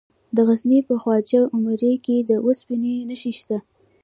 د غزني په خواجه عمري کې د اوسپنې نښې شته.